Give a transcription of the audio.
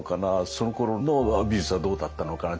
そのころの美術はどうだったのかな？